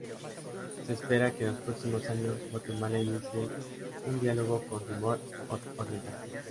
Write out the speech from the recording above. Se espera que en los próximos años, Guatemala inicie un diálogo con Timor Oriental.